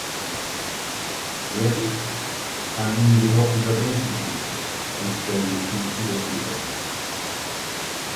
Erik kann ihn jedoch überwältigen und der Justiz übergeben.